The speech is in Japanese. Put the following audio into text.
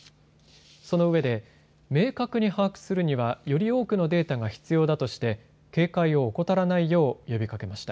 そのうえで明確に把握するにはより多くのデータが必要だとして警戒を怠らないよう呼びかけました。